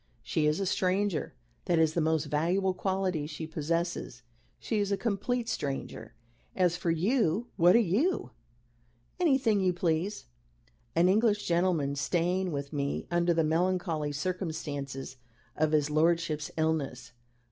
She is a stranger. That is the most valuable quality she possesses. She is a complete stranger. As for you, what are you? Anything you please. An English gentleman staying with me under the melancholy circumstances of his lordship's illness.